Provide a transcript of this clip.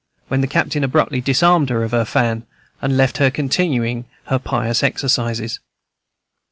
when the captain abruptly disarmed her of the fan, and left her continuing her pious exercises.